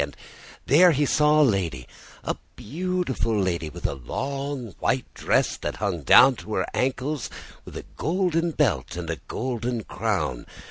And there he saw a lady, a beautiful lady, in a long white dress that hung down to her ankles, with a golden belt and a golden crown.